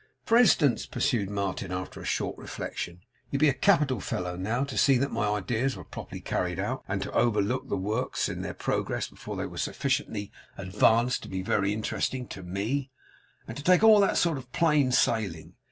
'For instance,' pursued Martin, after a short reflection, 'you'd be a capital fellow, now, to see that my ideas were properly carried out; and to overlook the works in their progress before they were sufficiently advanced to be very interesting to ME; and to take all that sort of plain sailing.